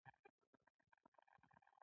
جميلې وويل: بخښنه غواړم چې زه لاړم.